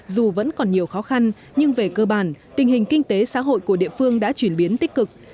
dù vẫn còn nhiều khó khăn nhưng về cơ bản tình hình kinh tế xã hội của địa phương đã chuyển biến tích cực